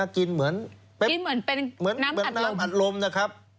กินเหมือนเป็นน้ำอัดลมนะครับ